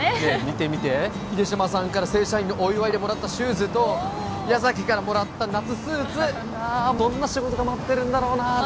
見て見て秀島さんから正社員のお祝いでもらったシューズとおお矢崎からもらった夏スーツいやどんな仕事が待ってるんだろうなあ